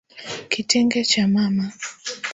Kitenge cha mama.